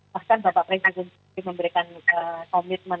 bahkan bapak presiden sendiri memberikan komitmen